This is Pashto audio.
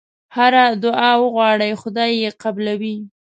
هره دعا وغواړې خدای یې قبلوي.